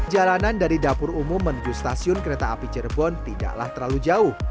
jalanan dari dapur umum menuju stasiun kereta api cirebon tidaklah terlalu jauh